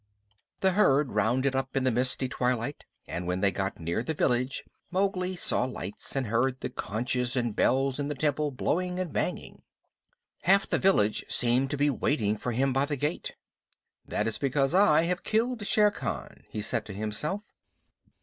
The herd rounded up in the misty twilight, and when they got near the village Mowgli saw lights, and heard the conches and bells in the temple blowing and banging. Half the village seemed to be waiting for him by the gate. "That is because I have killed Shere Khan," he said to himself.